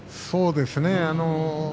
そうですね。